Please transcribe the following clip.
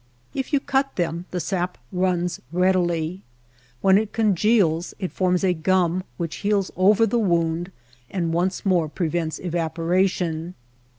If you cut them the sap runs readily. When it congeals it forms a gum which heals over the wound and once more prevents evaporation.